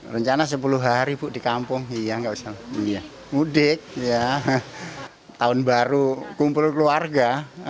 rencana sepuluh hari di kampung mudik tahun baru kumpul keluarga